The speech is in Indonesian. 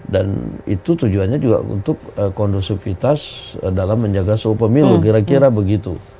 dan itu tujuannya juga untuk kondusifitas dalam menjaga seumur pemilu kira kira begitu